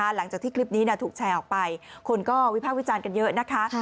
หลังจากที่คลิปนี้ถูกแชร์ออกไปคนก็วิพากษ์วิจารณ์กันเยอะนะคะ